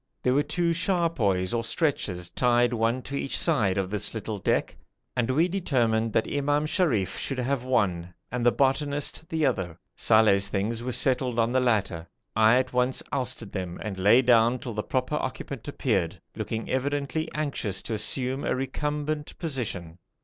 There were two charpoys or stretchers tied one to each side of this little deck, and we determined that Imam Sharif should have one, and the 'botanist' the other. Saleh's things were settled on the latter. I at once ousted them and lay down till the proper occupant appeared, looking evidently anxious to assume a recumbent position.